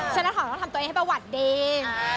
ชนัดหอมต้องทำตัวเองให้ประวัติเด่ง